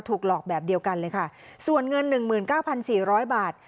ถูกหลอกแบบเดียวกันเลยค่ะส่วนเงิน๑๙๔๐๐บาท